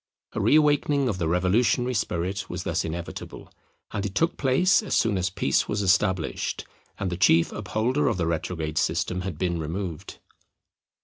A re awakening of the revolutionary spirit was thus inevitable; and it took place as soon as peace was established, and the chief upholder of the retrograde system had been removed.